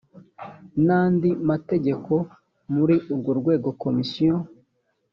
n andi mategeko muri urwo rwego komisiyo